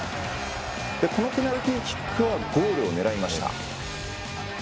このペナルティキックはゴールを狙いました。